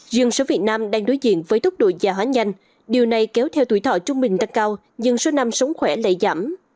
riêng số việt nam đang đối diện với tốc độ giả hóa nhanh điều này kéo theo tuổi thọ trung bình tăng cao nhưng số năm sống khỏe lại giảm